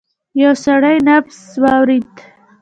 يو سړی نبض واورېد.